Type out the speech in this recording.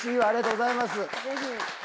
ありがとうございます。